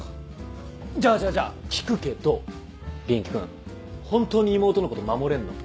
じゃあじゃあじゃあ聞くけど元気君本当に妹のこと守れんの？